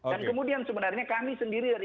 dan kemudian sebenarnya kami sendiri dari